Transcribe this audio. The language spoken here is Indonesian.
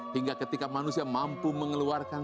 hingga ketika manusia mampu mengeluarkan